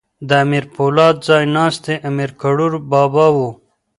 د امیر پولاد ځای ناستی امیر کروړ بابا وو.